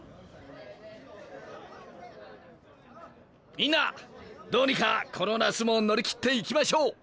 みんなどうにかこの夏も乗り切っていきましょう！